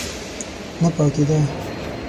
نه پاکېده.